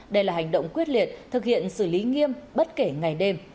đây là hành động quyết liệt thực hiện xử lý nghiêm bất kể ngày đêm